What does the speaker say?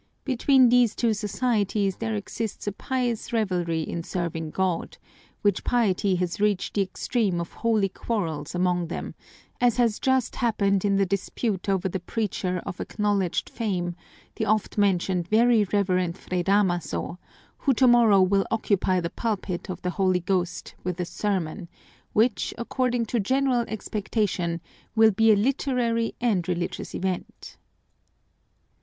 Between these two societies there exists a pious rivalry in serving God, which piety has reached the extreme of holy quarrels among them, as has just happened in the dispute over the preacher of acknowledged fame, the oft mentioned Very Reverend Fray Damaso, who tomorrow will occupy the pulpit of the Holy Ghost with a sermon, which, according to general expectation, will be a literary and religious event.